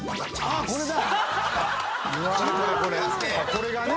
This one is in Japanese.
これがね